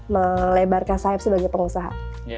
melebarkan sahib sebagai pengusaha